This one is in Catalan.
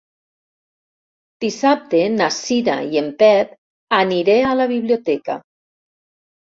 Dissabte na Cira i en Pep aniré a la biblioteca.